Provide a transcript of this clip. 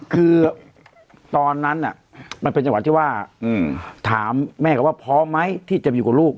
คือตอนนั้นมันเป็นจังหวะที่ว่าถามแม่เขาว่าพร้อมไหมที่จะไปอยู่กับลูก